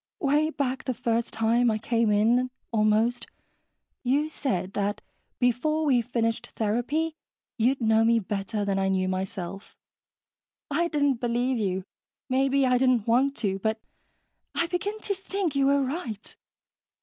"Way back the first time I came in, almost, you said that before we finished therapy, you'd know me better than I knew myself. I didn't believe you maybe I didn't want to but I begin to think you were right.